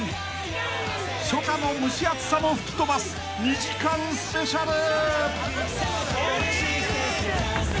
［初夏の蒸し暑さも吹き飛ばす２時間スペシャル！］